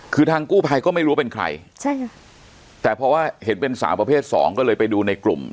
คือทางกู้ภัยก็ไม่รู้ว่าเป็นใครใช่ค่ะแต่พอว่าเห็นเป็นสาวประเภทสองก็เลยไปดูในกลุ่ม